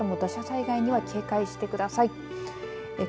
このあとも土砂災害には警戒してください。